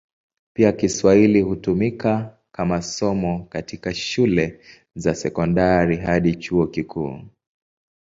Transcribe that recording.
Pia Kiswahili hutumika kama somo katika shule za sekondari hadi chuo kikuu.